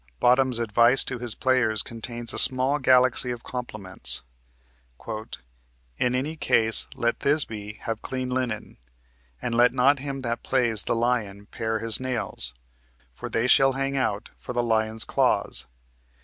Bottom's advice to his players contains a small galaxy of compliments: "In any case let Thisby have clean linen, and let not him that plays the lion pare his nails, for they shall hang out for the lion's claws.